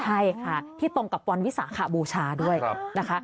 ใช่ค่ะที่ตรงกับวันวิสาขบูชาด้วยนะคะ